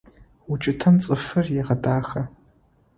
УкӀытэм цӀыфыр егъэдахэ.